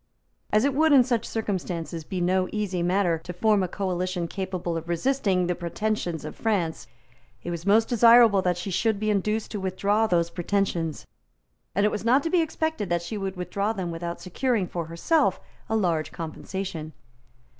As it would, in such circumstances, be no easy matter to form a coalition capable of resisting the pretensions of France, it was most desirable that she should be induced to withdraw those pretensions; and it was not to be expected that she would withdraw them without securing for herself a large compensation.